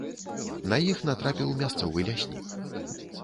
На іх натрапіў мясцовы ляснік.